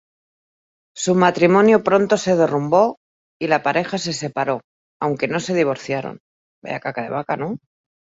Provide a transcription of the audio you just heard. Su matrimonio pronto se derrumbó y la pareja se separó, aunque no se divorciaron.